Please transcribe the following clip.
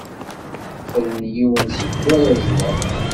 Fren yiwen seg warrazen-a.